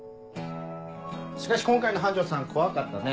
しかし今回の班長さん怖かったね。